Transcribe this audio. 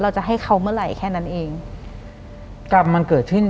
หลังจากนั้นเราไม่ได้คุยกันนะคะเดินเข้าบ้านอืม